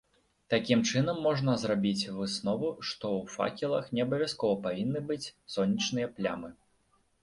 Такім чынам можна зрабіць выснову, што ў факелах не абавязкова павінны быць сонечныя плямы.